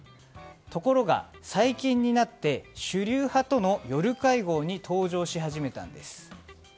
ところが、最近になって主流派との夜会合に登場し始めたんです。